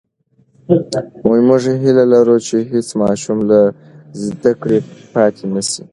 موږ هیله لرو چې هېڅ ماشوم له زده کړې پاتې نسي.